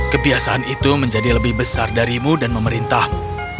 kebiasaan itu menjadi lebih besar darimu dan memerintahmu